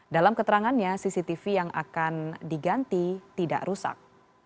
dalam keterangannya cctv yang akan diganti tidak rusak